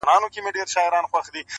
ولولئ نر او ښځي ټول د کتابونو کیسې,